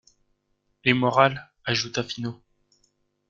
Et morale, ajouta Finot.